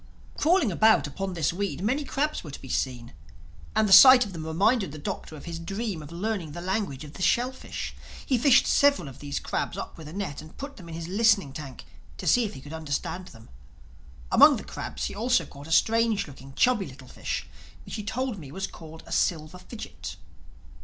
Crawling about upon this weed, many crabs were to be seen. And the sight of them reminded the Doctor of his dream of learning the language of the shellfish. He fished several of these crabs up with a net and put them in his listening tank to see if he could understand them. Among the crabs he also caught a strange looking, chubby, little fish which he told me was called a Silver Fidgit.